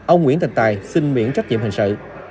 ông nguyễn thành tài xin miễn trách nhiệm hình sự